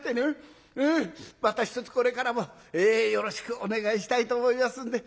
またひとつこれからもよろしくお願いしたいと思いますんで。